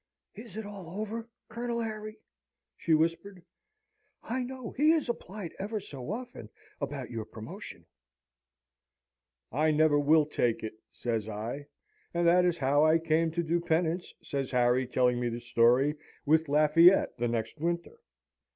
'Is it all over, Colonel Harry?' she whispered. 'I know he has applied ever so often about your promotion ' "'I never will take it,' says I. And that is how I came to do penance," says Harry, telling me the story, "with Lafayette the next winter."